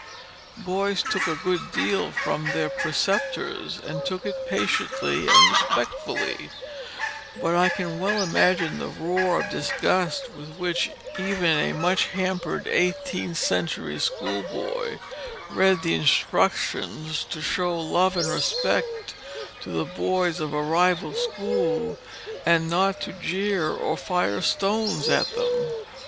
Boys took a good deal from their preceptors, and took it patiently and respectfully; but I can well imagine the roar of disgust with which even a much hampered, eighteenth century schoolboy read the instructions to show love and respect to the boys of a rival school and not to jeer or fire stones at them.